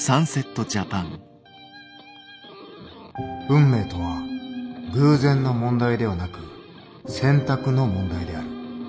運命とは偶然の問題ではなく選択の問題である。